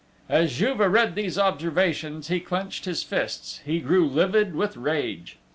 _" As Juve read these observations, he clinched his fists: he grew livid with rage!